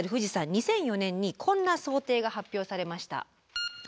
２００４年にこんな想定が発表されました。